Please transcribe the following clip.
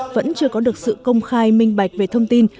vẫn chưa có được sự công khai minh bạch về thông tin